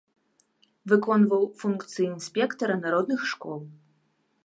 Выконваў функцыі інспектара народных школ.